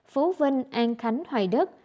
phú vinh an khánh hoài đất